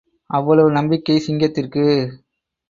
அவ்வளவு நம்பிக்கை சிங்கத்திற்கு!